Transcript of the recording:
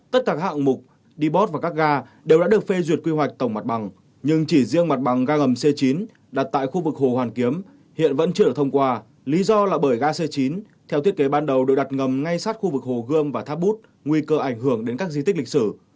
tất cả hạng mục depot và các ga đều đã được phê duyệt quy hoạch tổng mặt bằng nhưng chỉ riêng mặt bằng ga ngầm c chín đặt tại khu vực hồ hoàn kiếm hiện vẫn chưa được thông qua lý do là bởi ga c chín theo thiết kế ban đầu được đặt ngầm ngay sát khu vực hồ gươm và tháp bút nguy cơ ảnh hưởng đến các di tích lịch sử